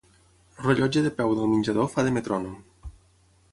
El rellotge de peu del menjador fa de metrònom.